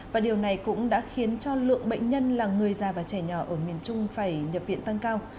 và điều này cũng đã khiến cho lượng bệnh nhân là người già và trẻ nhỏ ở miền trung phải nhập viện tăng cao